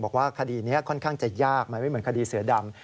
บอกว่าคดีนี้ค่อนข้างจะยากไม่เหมือนคดีเสือดำ